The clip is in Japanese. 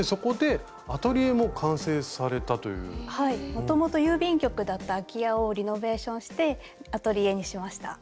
もともと郵便局だった空き家をリノベーションしてアトリエにしました。